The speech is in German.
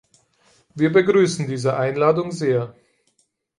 Wir begrüßen diese Einladung sehr.